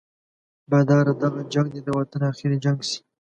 باداره دغه جنګ دې د وطن اخري جنګ شي.